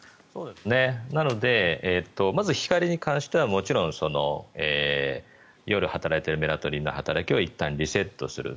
なのでまず光に関してはもちろん夜働いているメラトニンの働きをいったんリセットする。